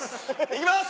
いきます！